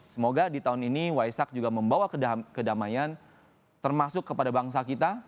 semoga di tahun ini waisak juga membawa kedamaian termasuk kepada bangsa kita